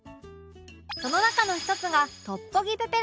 その中の１つが